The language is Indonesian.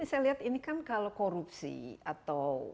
jadi saya lihat ini kan kalau korupsi atau